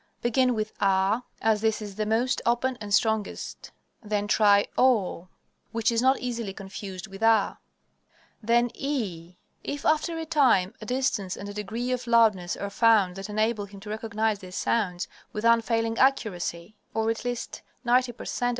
Begin with "ah" (ä), as this is the most open and strongest; then try "oh" (o with macron), which is not easily confused with ä. Then ee (e with macron). If, after a time, a distance and a degree of loudness are found that enable him to recognize these sounds with unfailing accuracy, or at least 90 per cent.